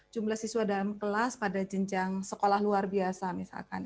jumlah siswa dalam kelas pada jenjang sekolah luar biasa misalkan